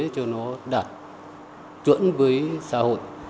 cho nó đạt chuẩn với xã hội